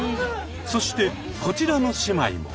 そしてこちらの姉妹も。